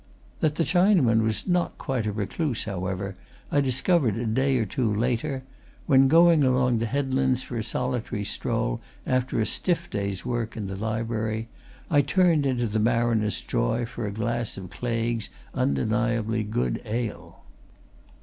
That the Chinaman was not quite a recluse, however, I discovered a day or two later, when, going along the headlands for a solitary stroll after a stiff day's work in the library, I turned into the Mariner's Joy for a glass of Claigue's undeniably good ale.